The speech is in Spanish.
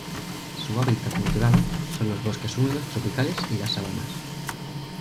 Su hábitat natural son los bosques húmedos tropicales y las sabanas.